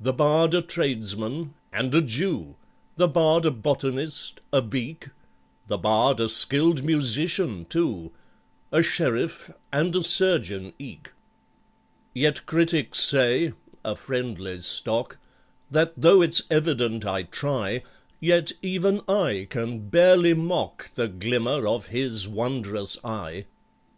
The bard a tradesman {288a}—and a Jew {288b}— The bard a botanist {288c}—a beak {288d}— The bard a skilled musician {288e} too— A sheriff {288f} and a surgeon {288g} eke! Yet critics say (a friendly stock) That, though it's evident I try, Yet even I can barely mock The glimmer of his wondrous eye!